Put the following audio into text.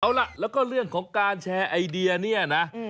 เอาล่ะแล้วก็เรื่องของการแชร์ไอเดียเนี่ยนะ